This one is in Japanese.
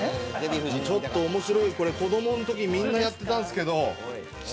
ちょっとおもしろいこれ、子供のときみんなやってたんですけど。